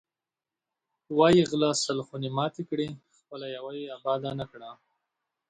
وایی غله سل خونې ماتې کړې، خپله یوه یې اباده نه کړه.